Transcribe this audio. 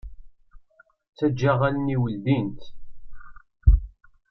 Taǧǧaɣ allen-iw ldint.